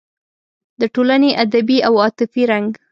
د ټولنې ادبي او عاطفي رنګ